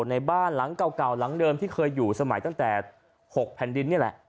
ในบ้านหลังเก่าหลังเดิมที่เคยอยู่สมัยตั้งแต่๖แผ่นดินนี่แหละ